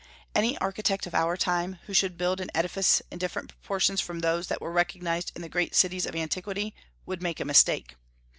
Any architect of our time, who should build an edifice in different proportions from those that were recognized in the great cities of antiquity, would make a mistake.